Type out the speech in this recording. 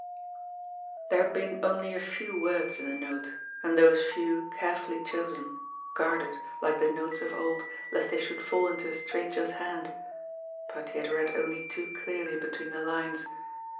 There had been only a few words in the note, and those few carefully chosen, guarded, like the notes of old, lest they should fall into a stranger's hand; but he had read only too clearly between the lines.